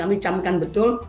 kami camkan betul